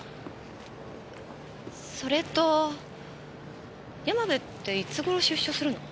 それと山部っていつ頃出所するの？